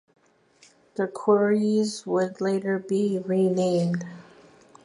The quarries would later be renamed.